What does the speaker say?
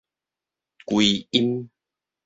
歸陰